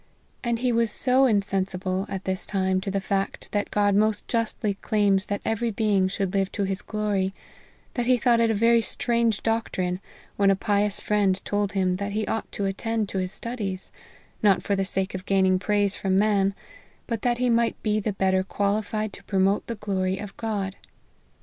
And he was so insensible, at this time, to the fact, that God most justly claims that every being should live to his glory, that he thought it a very strange doctrine, when a pious friend told him that he ought to attend to his studies, not for the sake of gaining praise from man, but that he might be the better qualified to promote the glory of God.